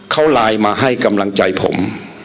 เขาไลน์มาให้กำลังใจผม